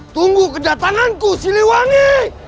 tunggu kedatanganku siliwangi